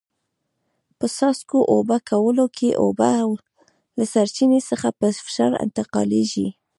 په څاڅکو اوبه کولو کې اوبه له سرچینې څخه په فشار انتقالېږي.